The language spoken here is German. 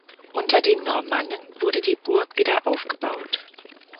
Unter den Normannen wurde die Burg wieder aufgebaut.